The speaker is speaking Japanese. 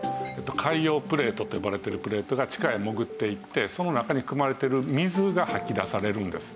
海洋プレートと呼ばれているプレートが地下へ潜っていってその中に含まれている水が吐き出されるんです。